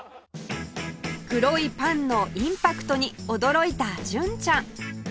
黒いパンのインパクトに驚いた純ちゃん